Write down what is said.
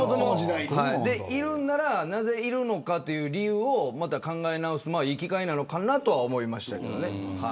いるなら、なぜいるのかという理由を考え直すいい機会なのかなとは思いましたけどね。